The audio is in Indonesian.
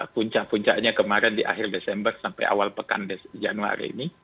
puncak puncaknya kemarin di akhir desember sampai awal pekan januari ini